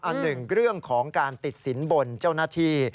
อันหนึ่งเรื่องของการติดสินบนเจ้าหน้าที่